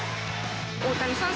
大谷さん